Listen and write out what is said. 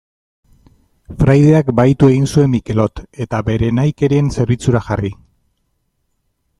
Fraideak bahitu egin zuen Mikelot, eta bere nahikerien zerbitzura jarri.